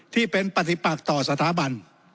ที่เป็นปฏิปักต่อสถาบัน